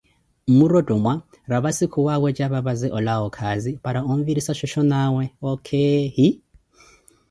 Mmwirothomwa, raphassi khuwaawetja apapaze oolawa okazi, para onvirissa shoshonawe okay hi.